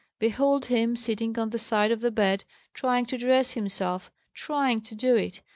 Behold him sitting on the side of the bed, trying to dress himself trying to do it.